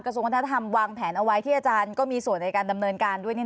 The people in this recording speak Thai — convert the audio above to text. ส่วนวัฒนธรรมวางแผนเอาไว้ที่อาจารย์ก็มีส่วนในการดำเนินการด้วย